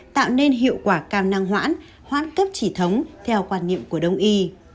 tạo nên hiệu quả cao năng hoãn hoãn cấp chỉ thống theo quan niệm của đông y